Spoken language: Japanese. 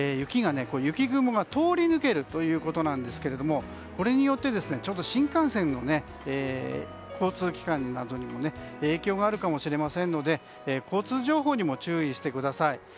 雪雲が通り抜けるということですがこれによってちょっと新幹線、交通機関などにも影響があるかもしれませんので交通情報にも注意してください。